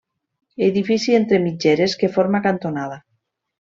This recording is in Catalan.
Edifici entre mitgeres que forma cantonada.